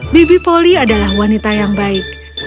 bibi poli adalah wanita yang baik